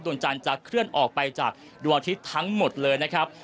ดวงจันทร์จะเคลื่อนออกไปจากดวงอาทิตย์ทั้งหมดเลยนะครับ